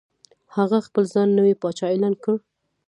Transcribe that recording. هغه خپل ځان نوی پاچا اعلان کړ.